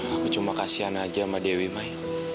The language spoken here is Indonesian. aku cuma kasihan aja sama dewi mai